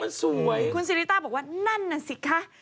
มันสวยคุณสิริต้าบอกว่านั่นน่ะสิคะ